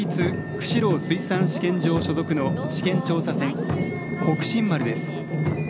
釧路水産試験場所属の試験調査船「北辰丸」です。